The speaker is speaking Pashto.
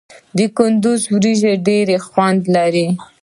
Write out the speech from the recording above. د کندز وریجې ډیر خوند لري.